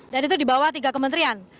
dan itu dibawah tiga kementerian